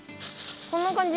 こんな感じ？